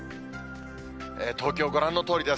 東京、ご覧のとおりです。